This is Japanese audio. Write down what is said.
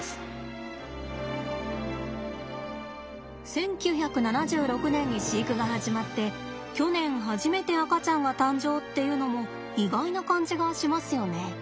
１９７６年に飼育が始まって去年初めて赤ちゃんが誕生っていうのも意外な感じがしますよね。